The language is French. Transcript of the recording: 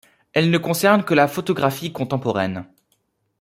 Elle ne concerne que la photographie contemporaine.